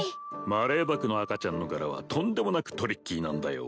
マレーバクの赤ちゃんの柄はとんでもなくトリッキーなんだよ